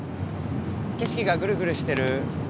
景色がぐるぐるしてる。